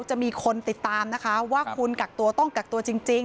จะมีคนติดตามนะคะว่าคุณกักตัวต้องกักตัวจริง